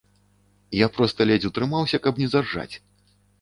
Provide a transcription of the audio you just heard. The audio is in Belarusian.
Я проста ледзь утрымаўся, каб не заржаць.